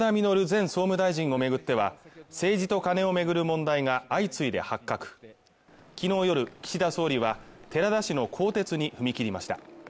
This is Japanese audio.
前総務大臣をめぐっては政治とカネを巡る問題が相次いで発覚昨日夜岸田総理は寺田氏の更迭に踏み切りました